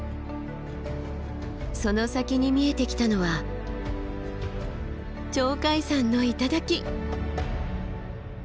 その先に見えてきたのは鳥海山の頂。